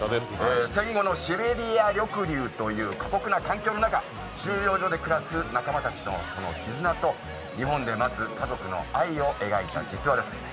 戦後のシベリア抑留という過酷な環境の中、収容所で暮らす仲間たちの絆と日本で待つ家族の愛を描いた実話です。